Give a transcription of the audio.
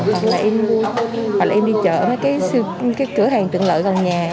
hoặc là em đi chợ mấy cái cửa hàng tượng lợi gần nhà